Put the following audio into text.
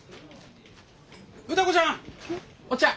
歌子ちゃん！お茶。